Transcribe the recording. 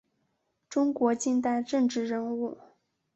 中国近代政治人物。